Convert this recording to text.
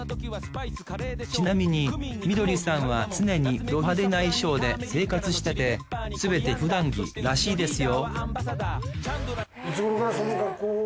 ちなみにみどりさんは常にド派手な衣装で生活しててすべて普段着らしいですよ